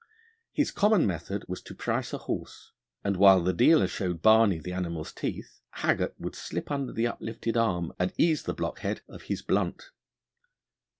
His common method was to price a horse, and while the dealer showed Barney the animal's teeth, Haggart would slip under the uplifted arm, and ease the blockhead of his blunt.